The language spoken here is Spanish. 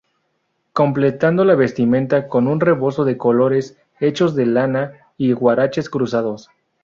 Completando la vestimenta con un rebozo de colores hechos de lana y huaraches cruzados.